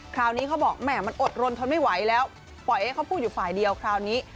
คราวนี้เขาบอกแหม่มันอดรนทนไม่ไหวแล้วปล่อยให้เขาพูดอยู่ฝ่ายเดียวคราวนี้